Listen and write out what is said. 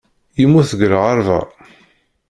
Yemmut deg lɣerba.